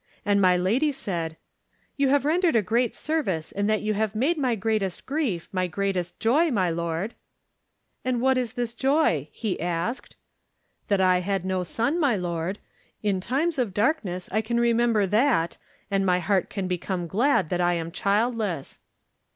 And my lady said: "*You have rendered a great service, in that you have made my greatest grief my greatest joy, my lord/ "'And what is this joy?' he asked. "'That I had no son, my lord. In times of darkness I can remember that and my heart can become glad that I am childless.'